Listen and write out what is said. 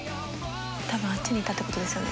たぶんあっちにいたってことですよね